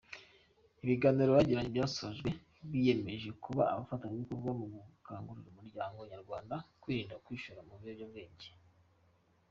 Ibiganiro bagiranye byasojwe biyemeje kuba abafatanyabikorwa mu gukangurira umuryango nyarwanda kwirinda kwishora mu biyobyabwenge.